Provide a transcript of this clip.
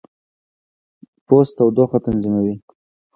پوست تودوخه تنظیموي.